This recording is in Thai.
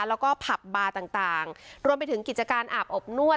แล้วก็ผับบาร์ต่างรวมไปถึงกิจการอาบอบนวด